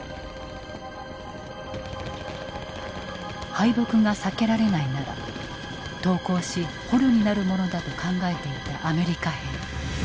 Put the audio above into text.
敗北が避けられないなら投降し捕虜になるものだと考えていたアメリカ兵。